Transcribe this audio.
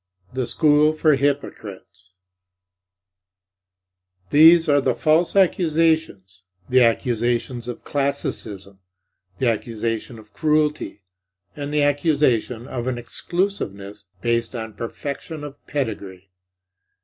THE SCHOOL FOR HYPOCRITES These are the false accusations; the accusation of classicism, the accusation of cruelty, and the accusation of an exclusiveness based on perfection of pedigree.